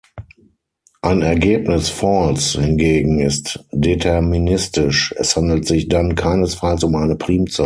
Ein Ergebnis "false" hingegen ist deterministisch: Es handelt sich dann keinesfalls um eine Primzahl.